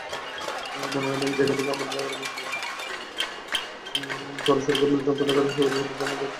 পরে সুরকার মিল্টন খন্দকারের সহযোগিতায় ধানমন্ডির একটি ক্লিনিকে গিয়ে চিকিৎসা নেন।